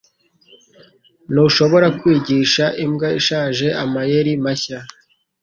Ntushobora kwigisha imbwa ishaje amayeri mashya